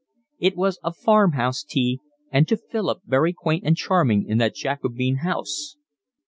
It was a farm house tea, and to Philip very quaint and charming in that Jacobean house.